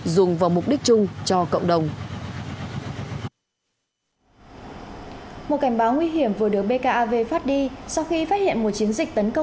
dùng vào mục đích chung cho cộng đồng